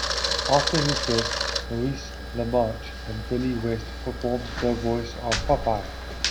After his death, Maurice LaMarche and Billy West performed the voice of Popeye.